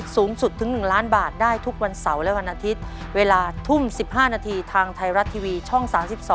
ทางไทยรัตทร์ทีวีช่อง๓๒